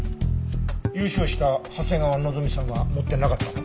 優勝した長谷川希美さんは持ってなかったの？